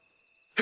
え？